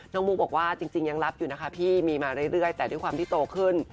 มุกบอกว่าจริงยังรับอยู่นะคะพี่มีมาเรื่อยแต่ด้วยความที่โตขึ้น